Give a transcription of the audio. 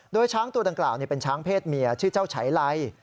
โดยช้างตัวดังกล่าวเป็นช้างเพศเมียชื่อเจ้าฉายไล